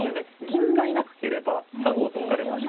銀がいなければ３五歩突かれまして。